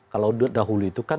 kalau dahulu itu kan